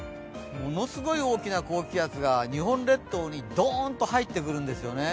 ものすごい大きな高気圧が日本列島にどーんと入ってくるんですよね。